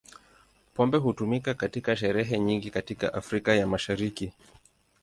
Pombe hutumika katika sherehe nyingi katika Afrika ya Mashariki.